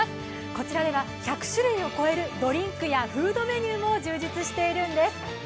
こちらでは１００種類を超えるドリンクやフードメニューも充実しているんです。